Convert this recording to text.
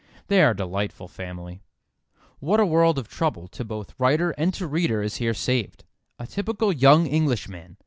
They are a delightful family." What a world of trouble to both writer and to reader is here saved. "A typical young Englishman!"